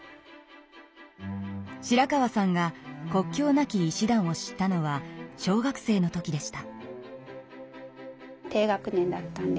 白川さんが国境なき医師団を知ったのは小学生の時でした。